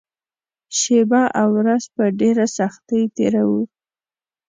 شپه او ورځ په ډېره سختۍ تېروو